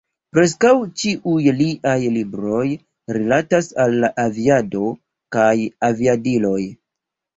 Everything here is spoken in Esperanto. Preskaŭ ĉiuj liaj libroj rilatas al aviado kaj aviadiloj.